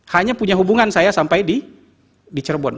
hanya punya hubungan saya sampai di cirebon